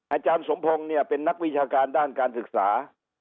อาจารย์สมพงศ์เนี่ยเป็นนักวิชาการด้านการศึกษา